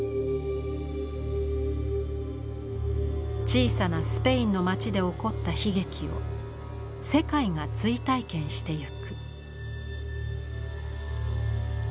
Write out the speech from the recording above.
小さなスペインの街で起こった悲劇を世界が追体験してゆく。